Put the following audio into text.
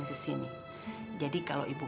terima kasih ya bu